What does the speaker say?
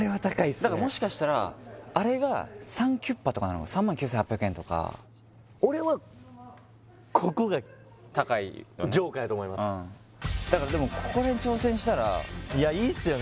だからもしかしたらあれがサンキュッパとかなのかも３９８００円とか俺はここが高いだからこれに挑戦したらいやいいっすよね